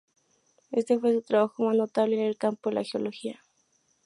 Este fue su trabajo más notable en el campo de la Geología.